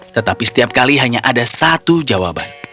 tetapi setiap kali hanya ada satu jawaban